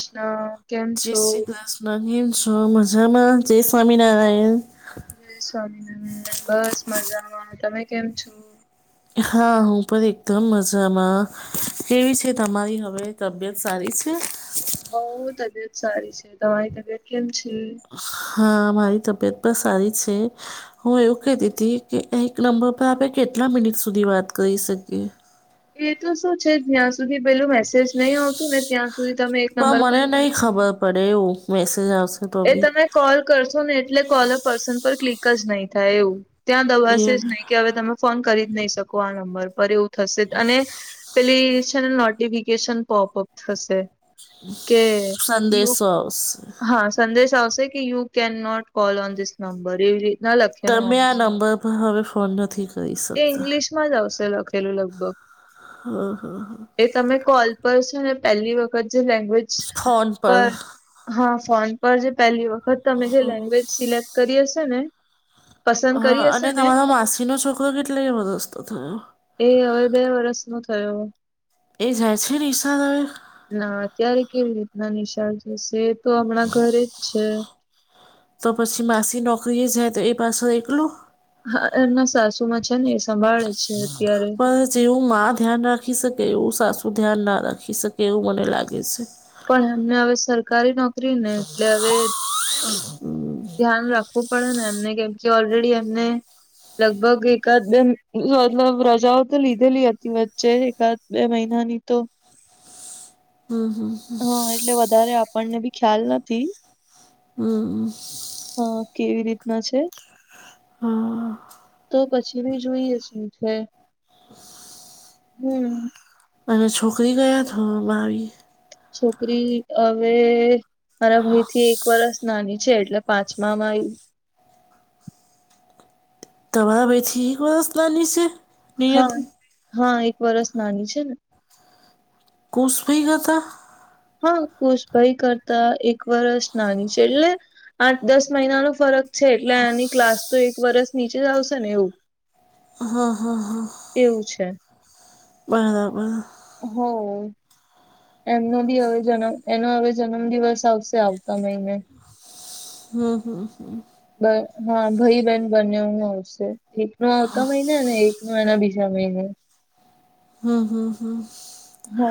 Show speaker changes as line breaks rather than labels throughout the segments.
કૃષ્ણ કેમ
જય
છો?
શ્રી કૃષ્ણ કેમ છો મજામાં જય સ્વામી નારાયણ.
હ સ્વામ બસ મજામાંનું તમે કેમ છો
હા હું પણ એકદમ મજામાં કેવી છે તમારી હવે તબિયત સારી છે
હ તબિયત સારી છે તમારી તબિયત કેમ છે
હા મારી તબિયત પણ સારી છે હું એવું કેહતી હતી કે એક નંબર પર આપણે કેટલા મિનિટ સુધી વાત કરી શકીએ?
એ તો શું છે જ્યાં સુધી પેલું મેસેજ નય આવતું ને ત્યાં સુધી તમે એક
પણ
નંબર પર
મને નહી
કરી શકો.
ખબર પડે એવું મેસેજ આવશે તો
એ
બી
તમે કોલ કરશો ને એટલે કોલ અ પર્સન પર ક્લિક જ નય થાય એવું ત્યાં
એ
દબાશે જ નહીં કે હવે તમે ફોન કરી જ નહી શકો આ નંબર પર એવું થશે જ અને પેલી છે ને નોટિફિકેશન પોપ અપ થશે. કે
સંદેશો આવશે.
સંદેસો આવશે કે you can not call on this number એવી રી
તમે આ નંબર પર હવે ફોન નથી કર
એ ઇંગ્લિશમાં જ આવશે લખેલું લગભગ
હા હા હા.
એ તમે કોલ પર છો ને પહેલી વખત જે લેંગ્વેજ
ફોન પર
હા ફોન પર જે પહેલી વખત તમે જે લેંગ્વેજ સિલેક્ટ કરી હશે ને પસંદ
હા
કરી હશે
અને
ને
તમારો માસી નો છોકરો કેટલી વરસ નો થયો?
એ હવે બે વરષ નો થયો.
એ જાય છે નિશાળ હવે?
ના અત્યારે કેવી રીતના નિશાળ જશે એ તો હમણાં ઘરે જ છે.
તો પસી માસી નોકરીએ જાય તો એ પાછું એકલું.
હા એમના સાસુ માં છે ને એ સંભાળે છે અત્યારે
પણ જેવું માં ધ્યાન રાખી શકે એવું સાસુ ધ્યાન ના રાખી શકે એવું મને લાગે છે.
પણ એમને હવે સરકારી નોકરી ને એટલે હવે
[inaudible]
ધ્યાન રાખવું પડે ને એમને કેમ કે ઓલરેડી એમને લગભગ એકાદ બે મતલબ રજાઓ તો લીધેલી હતી વચ્ચે એકાદ બે મહિના ની તો
હમમ હમમ
હા એટલે વધારે આપણને બી ખ્યાલ નથી.
હમમ.
હા કેવી રીતના છે તો પછી કેવી જોઈએ શું છે?
[inaudible]
હમમ
અને છોકરી ક્યાં ધોરણ માં આવી?
છોકરી હવે મારા ભાઈ થી એક વરસ નાની છે એટલે પાંચમા માં આયી.
તમારા બેેથી એક વરસ નાની છે?
હા
નિયતિ
હા એક વરષ નાની છે ને.
કુશ ભી હતા
હા ખુશભાઈ કરતા એક વરષ નાની છે, એટલે આઠ દસ મહિનાનો ફરક છે એટલે આની ક્લાસ તો એક વરસ નીચે જ આવશે ને એવું
હમ હા હા
એવું છે
બરાબર
હો એમનો બી હવે જનમ એનો હવે જન્મ દિવસ આવશે આવતા મહિને.
હમમ હમમ હમમ.
હા ભાઈ બેહેન બનેવું આવશે એક નો આવતા મહિને ને એક નો એના બીજા મહિને
હમ હમ હમ.
હો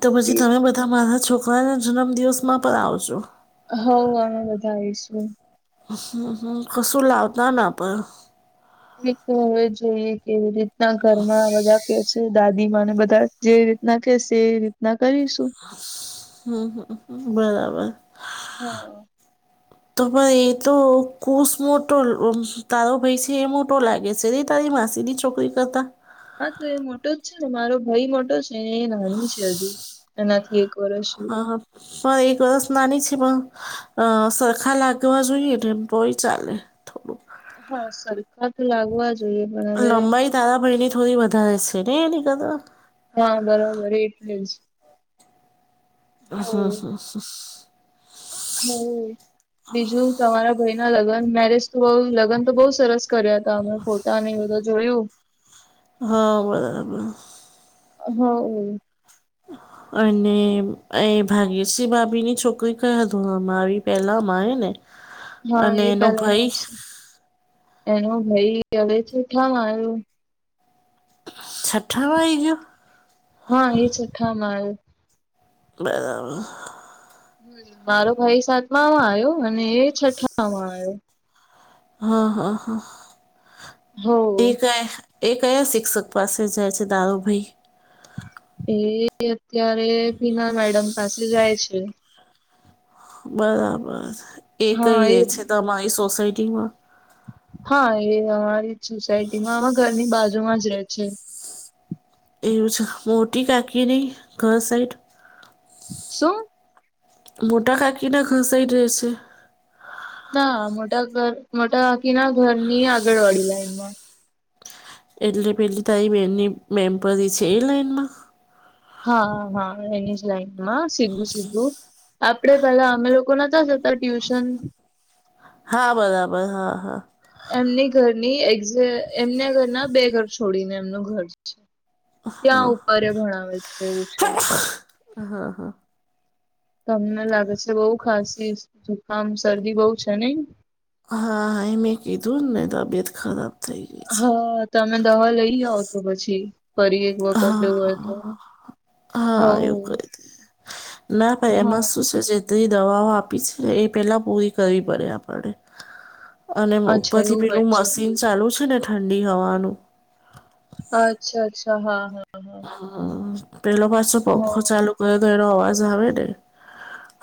તો પછી તમે બધા મારા છોકરાના જન્મદિવસમાં પણ આવજો
હ આમે બાવશું
હમ હમ કશું લાવતા પણ
તો હવે જોઈએ કે રીતના ઘરમાં બધા કે છે દાદીમાંને બધા જે રીતના કેશે એ રીતના કરીશું
હમ હ બરાબર
હા
તો પણ એ તો કુશ મોટો તારો ભાઈ છે એ મોટો લાગે છે ર તારી માસીની ચોખ તઈ કતા
હા તો એ મોટો જ છે ને મારો ભાઈ મોટો છે એ નાની છે હજુ એનાથી એક વર્ષ
હા હા પણ એક વરષ નાની છે પણ સરખા લાગવા જોઈએ ને ભય ચાલે થબું
હા સરખ તો લાગવા જોઈએ પણ હવે
લંબાઈ તારા ભાઈની થોડી વધારે છે ને એનીક.
હા બરોબર એટલે જ.
અ સર.
હમ. બીજું તમારા ભાઈ ના લગ્ન મેરેજ તો બ લગન તો બહુ સરસ કર્યા હતા અમે ફોટો. તને એ બધું જોયું.
હા બ.
હ.
હા. અને એ ભાગ્યસિંહ બાાભીની છોકરી કઈ હતીુંમારી પહેલાંમાંરે ને.
હા
અને
એ
એનો
પેલા
ભાઈ
નશે એનો ભાઈ હવેથી થ મારું.
છઠ વાઈ ગ.
હા એ છોઠા માલ.
બદાર.
હમ મારો ભાઈ સાતમામાં આવ્યો અને છઠ્ઠામાં આવ્યો.
હા હા હા
હો
ઠીક એ. એ કયા શિક્ષક પાસે જાય છે દારૂભાઈ.
એ અત્યારે પીના મેડમ પાસે જાય છે.
બરાબર એ કઈ રે છે તમારી સોસાયટી માં.
હા એ અમારી સોસાયટીમાં ઘરની બાજુમાં જ રહે છે.
એવું છે મોટી કાકી નહી ઘર સાઈડ.
શું.
મોટા ખાકીને ઘસાઈ દે છે.
ના મોટા ઘર મોટા બાકી ના ઘરની આગળવાડી લાઈનમાં.
એટલે પેલી તારી બેનની મેમ્પરી છે એ લાઈઇનમાં.
હા હા એની જ લાઈનમાં સીધું સીધું. આપડે પેલા અમે લોકો નતા જતા ટ્યુશન.
હા બરાબર હા હા.
એમની ઘરની એે એમના ઘર ના બે ઘર છોડીને એમનું ઘર છે. ત્યાં ઉપરે ભણાવે છે એવું છે.
હા હા.
તમને લાગે છે બઉુ ખાંસી જુકામ શરદી બઉુ છે ને.
હા હા એ મે કીધું ને તબિયત ખરાબ થઇ ગઈ છે.
હા તમે દવા લઈ આવઓ તો પછી ફરીએ.
હા
હ
હા એવું કઈ દ ના ભાઈ
હા
એમાંશું છે. જેટલી દવાઓ આપી છેને એ પેલા પૂરી કરવી પડે આપને. અને ઉપર
અચ્છા
થી
એવું હોય
પેલું
છે
મશીન ચાલુ છે ને ઠંડી હવાનું.
અચ્છા અચ્છા હા હા હા.
હ પેલો પાછો પંખો
હા
ચાલુ કર્યો તો એનો અવાજ આવે ને.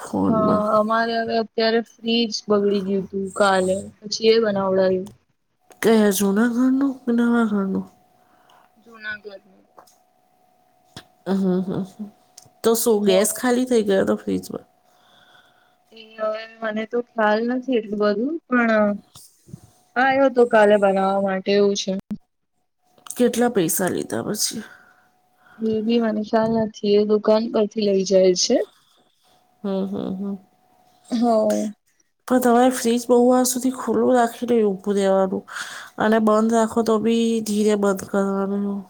ફોનમાં
હા. અરે હવે અત્યારે ફ્રીજ બગડી ગયું તું કાલે પછી એ બનાવડાવું.
કેયા જૂના ઘરનું કે નવા ઘરનું.
જુના ઘરનું.
મ હમ્મ હમ્મ હમ તો શું
હ
ગેસ ખાલી થઈ ગયો હતો ફ્રીજમાં.
એ હવે મને તો ખ્યાલ નથી એટલું બધું પણ હા એવું હતું કાલે બનાવવા માટે એવું છે.
કેટલા પૈસા લીધા પછી?
એ બી મને ખ્યાલ નથી એ દુકાન પરથી લઇ જાય છે.
હમ્મ હમ્મ.
હ.
પણ તમારે ફ્રીજ બહુ વાર સુધી ખુલ્લું રાખીને ઊભું રેવાનું અને બંધ રાખો તો બી ધીરે બંધ કરવાનું.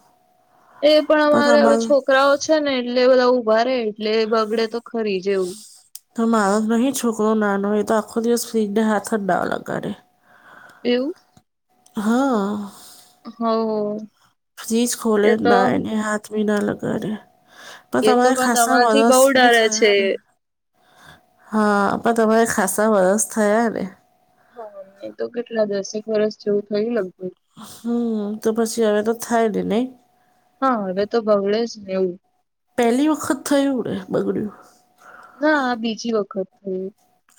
એ પણ અમારે હવે છોકરાઓ છે ને એટલે બધા ઊભા રે એટલે બગડે તો ખરી જેવું.
તો મારોસ નહીં છોકરો નાનો એ તો આખો દિવસ ફ્રીજને હાથ જ ના લગા રે.
એવું!
હા.
હવ.
ફ્રીિજ ખોલે ના એને હાથ ભી ના લગાારેે. પણ
એ તો
તમારે ખાસા
તમારથી
વસ
બહુ
ભી
ડરે
થયા
છે.
ને. હા પણ તમારે ખાસા વરસ થયા ને.
હાને તો કેટલા દસેક વર્ષ જેવું થય લગભગ.
હમ્મ તો પછી હવે તો થાય ને નહી.
હા હવે તો બગડે જ એવું.
પહેલી વખત થયું ને બગડ્યું.
ના બીજી વખત થઈ.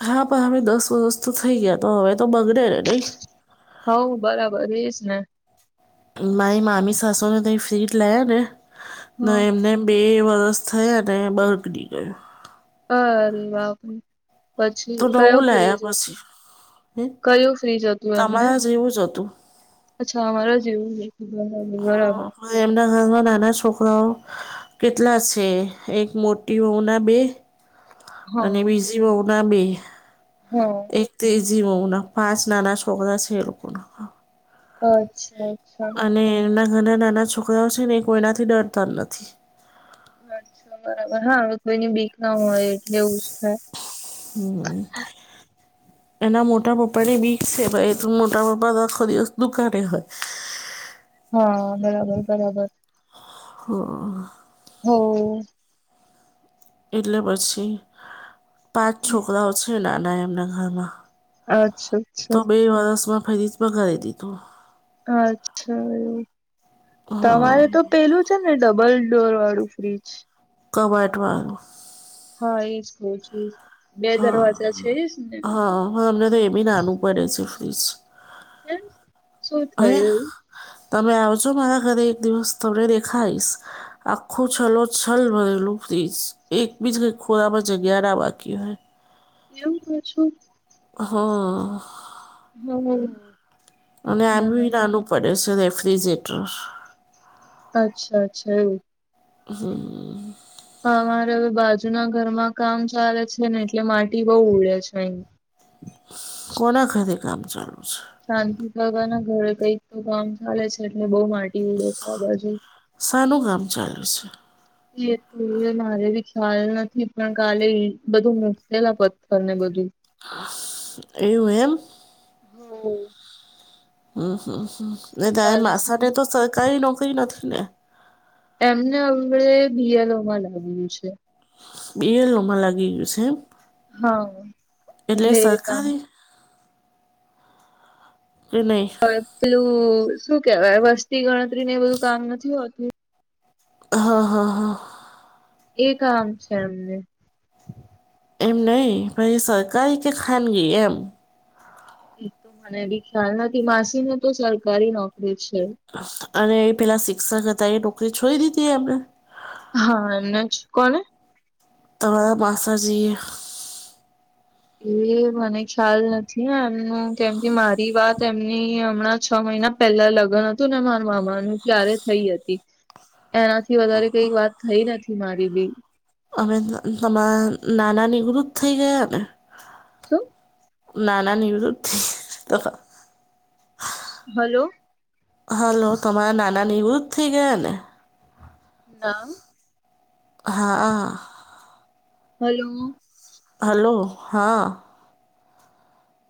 હા પણ હમે દસ વર્ષ તો થઈ ગયા તો હવે તો બગડ ને નહીં.
હઉ બરાબર એજ ને.
મારી માામી સાસુને ત ફ્રીજ લયા ને ન
હા.
એમને બે વરસ થયા અને બળગડી ગયું.
હરે વા.
તો
પછી કયું
નવું
ફ્રી
લાયા
જતું
પછી
કયું ફ્રી જતું એમને.
જે એવું જ હતું.
અચ્છા અમારે જ એવું બરાબર.
એમના ઘરમાં નાના છોકરાઓ કેટલા છે એક મોટી ઉમર ના બે અને
હા
બીજી બહુ ના બે.
હા.
એક તો ઇઝી હોવ ના પાંચ નાના છોકરા છે એ લોકોના.
અચ્છા અચ્છ.
અને એમના ઘરના નાના છોકરાઓ છે ને એ કોઈનાથી ડરતા નથી.
અચ્છા બરાબર હા હવે કોઈની બીક ના હોય એટલે એવું જ થાય.
હમ્મ. એના મોટા પપ્પા ને બીક છે ભ મોટા પપ્પા દખો દિવસ દુકારે હોય.
હા બરાબર બરાબર.
હા.
હવ.
એટલે પછી પાંચ છોકરાઓ છે નાના એમના ઘરમાં.
અચ્છા
તો
અચ્છા.
બે વરસમાં ફરી જ બગારી દીધું.
અચ્છા એવું, તમારે તો પેલું છે ન ડબલ ડોર વાળું ફ્રીજ.
કબાટ વાળું.
હા એજ કઉ છું. બે દરવાજા છે એજ ને?
હ મે તો એ બી નાનું પડે છે ફ્રીજ.
કેમ, શું
હે
થયું?
તમે આવજો મારા ઘરે એક દિવસ થોડે દેખાઈશ. આખું છલો છલ ભરેલું પ્લીઝ એક બીજઈ ખોરામાં જગ્યા ના બાકી હોય.
એવું ક છું.
હા.
[unintelligible]
અને આમ
બરાબર
નાનું પડે છે રેફ્રિજરેટર.
અચ્છા અચ્છા એવ.
હમ્મ.
હા અમારે હવે બાજુના ઘરમાં કામ ચાલે છે ને એટલે માટી બઉ ઉડે છે અહી.
કોના ખાતે કામ ચાલુ છે?
શાંતિ કરવાના ઘરે કઈક તો કામ ચાલે છે એટલે બઉ માટી ઉડે છે આ બાજુ.
સાનું કામ ચાલુ છે?
એ તું મને બી ખ્યાલ નથી પણ કાલે બધું મુકલા પથ્થર ને બધું.
એવું એમ?
હો
ઉ હમ્મ, હમ્મ,
શું
હ, તારે
ચાલે છે
માસાને તો સરકારી નોકરી નથી ને?
એમને અગળે બી એલ ઓ માં લાવ્યું છે.
બી એલ ઓ માં લાગી ગયું છે એમ,
હા
એટલે
એ કામ
સરકારી? એ નઈ.
પેલું શું કેવાય વસ્તી ગણતરી ને એ બધું કામ નથી હોતું.
હા, હા, હા.
એ કામ છે અમને.
એમ નઈ ભાઈ સરકારી કે ખાનગી એમ.
એ તો મને એ બી ખ્યાલ નથી માસીને તો સરકારી નોકરી છે.
અને એ પેલા શિક્ષક હતા એ નોકરી છોડી દીધી એમને?
હા એમણે, કોણે?
તમારા માસાજી.
એ મને ખ્યાલ નથી હે એમનું કેમકે મારી વાત એમની હમણાં છ મહિના પેલા લગ્ન હતું ને મારા મામાનું ત્યારે થઈ હતી. એનાથી વધારે કઈ વાત થઈ નથી મારી બી.
હવે તમારા નાના નિવૃત થઈ ગયાને?
શું?
નાના નિવૃત થઈ તો.
હલો.
હાલો તમારા નાના નિવૃત્ત થઈ ગયા ને.
ના
હા.
હલો.
હાલો, હા.